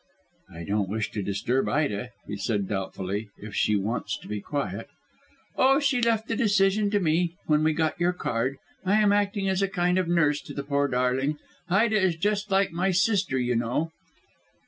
"I don't wish to disturb Ida," he said doubtfully, "if she wants to be quiet." "Oh, she left the decision to me when we got your card. I am acting as a kind of nurse to the poor darling. Ida is just like my sister, you know."